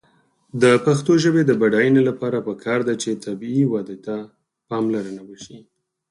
د پښتو ژبې د بډاینې لپاره پکار ده چې طبیعي وده ته پاملرنه وشي.